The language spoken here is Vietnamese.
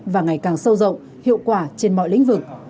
và ngày càng sâu rộng hiệu quả trên mọi lĩnh vực